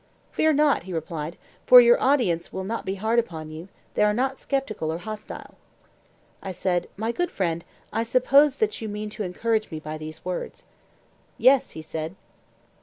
Fear not, he replied, for your audience will not be hard upon you; they are not sceptical or hostile. I said: My good friend, I suppose that you mean to encourage me by these words. Yes, he said.